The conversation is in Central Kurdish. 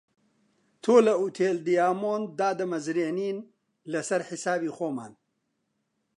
تۆ لە ئوتێل دیامۆند دادەمەزرێنین لەسەر حیسابی خۆمان